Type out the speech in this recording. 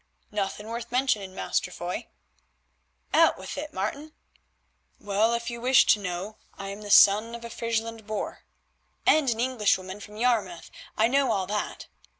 "Nothing worth mentioning, Master Foy." "Out with it, Martin." "Well, if you wish to know, I am the son of a Friesland boor." "—And an Englishwoman from Yarmouth: I know all that."